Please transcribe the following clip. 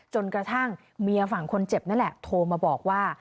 จนกระทั่งเมียฝั่งคนเจ็บโทรมาบอกว่า